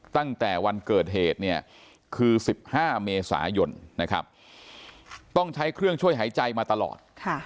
ตั้งแต่วันเกิดเหตุเนี่ยคือ๑๕เมษายนนะครับต้องใช้เครื่องช่วยหายใจมาตลอด